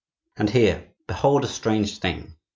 And here, behold a strange thing!